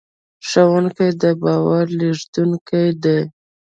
ښوونکي د باور لېږدونکي دي.